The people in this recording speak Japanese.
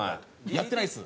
やってないです。